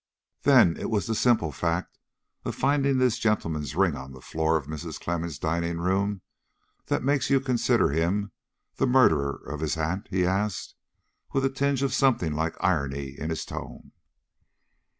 "Then, it was the simple fact of finding this gentleman's ring on the floor of Mrs. Clemmens' dining room that makes you consider him the murderer of his aunt?" he asked, with a tinge of something like irony in his tone.